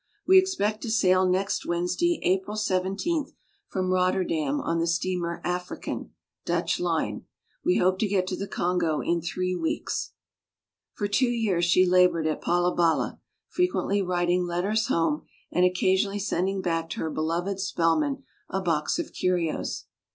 We expect to sail next Wednesday, April 17, from Rotterdam on the steamer African, Dutch line. We hope to get to the Congo in three weeks." For two years she labored at Palabala, frequently writing letters home and occa sionally sending back to her beloved Spel man a box of curios.